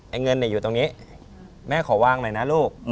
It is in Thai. เงินอยู่ตรงนี้แม่ขอวางหน่อยนะลูก